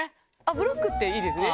ブロックっていいですね。